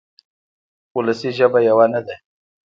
وولسي ژبه یوه نه ده.